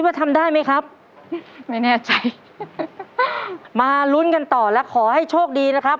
ว่าทำได้ไหมครับไม่แน่ใจมาลุ้นกันต่อและขอให้โชคดีนะครับ